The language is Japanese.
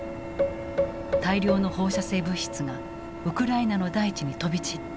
大量の放射性物質がウクライナの大地に飛び散った。